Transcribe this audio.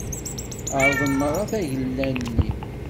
Ԑerḍen merra tagella-nni.